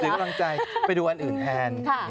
กำลังใจไปดูอันอื่นแทน